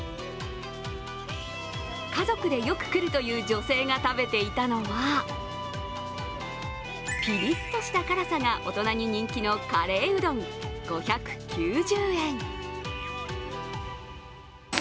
家族でよく来るという女性が食べていたのはピリッとした辛さが大人に人気のカレーうどん５９０円。